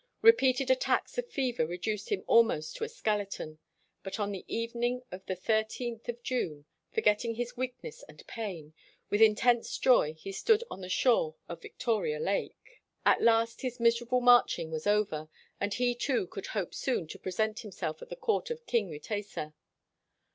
Repeated attacks of fever reduced him almost to a skeleton. But on the evening of the thirteenth of June, forgetting his weakness and pain, with in tense joy he stood on the shore of Victoria 84 RECEPTION AT THE ROYAL PALACE Lake. At last his miserable marching was over, and he too could hope soon to present himself at the court of King Mutesa.